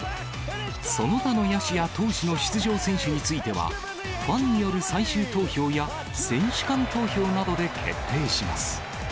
その他の野手や投手の出場選手については、ファンによる最終投票や選手間投票などで決定します。